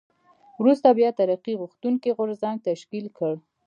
وروسته بیا ترقي غوښتونکی غورځنګ تشکیل کړ.